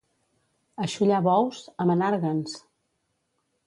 A xollar bous, a Menàrguens!